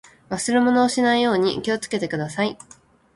忘れ物をしないように気をつけてください。